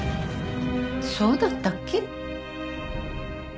そうだったっけ？